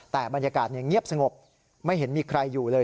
แต่บรรยากาศเงียบสงบไม่เห็นมีใครอยู่เลย